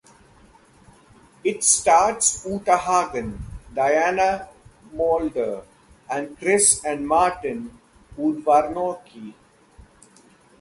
It stars Uta Hagen, Diana Muldaur, and Chris and Martin Udvarnoky.